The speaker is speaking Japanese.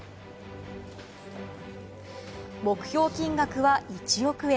目標金額は１億円。